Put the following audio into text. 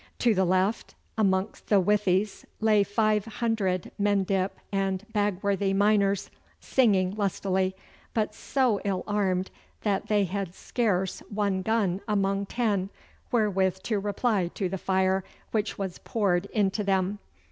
To the left amongst the withies lay five hundred Mendip and Bagworthy miners, singing lustily, but so ill armed that they had scarce one gun among ten wherewith to reply to the fire which was poured into them.